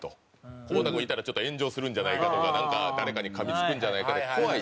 久保田君いたらちょっと炎上するんじゃないかとか誰かにかみ付くんじゃないかとか怖い。